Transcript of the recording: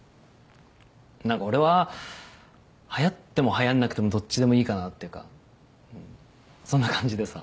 何か俺ははやってもはやんなくてもどっちでもいいかなっていうかうんそんな感じでさ。